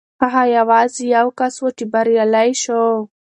هغه یوازې یو کس و چې بریالی شو.